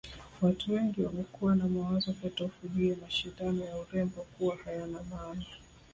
Watu wengi wamekuwa na mawazo potofu juu ya mashindano ya urembo kuwa hayana maana